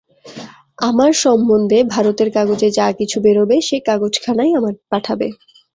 আমার সম্বন্ধে ভারতের কাগজে যা কিছু বেরোবে সেই কাগজখানাই আমায় পাঠাবে।